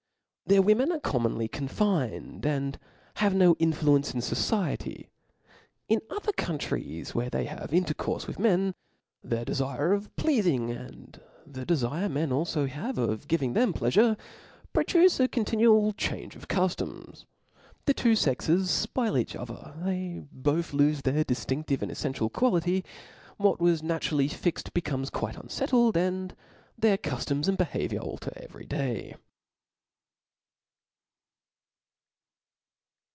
Their women are commonly confined, and hare nOv influence in fociety. In other countries where they have an intercourfe with men, their dcfire of pleafing, and the defire men alfo have of giving them pleafure, produce a continual change of cuf toms. The two kxcs fpoil each other, they both lofe their diftinftive and e/Iential quality ; what was naturally fixt becomes quite unfettled, and their cuftoms and behaviour alter every day.